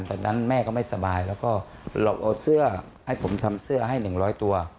ตอนนั้นแม่ก็ไม่สบายแล้วก็หลบเอาเสื้อให้ผมทำเสื้อให้๑๐๐ตัว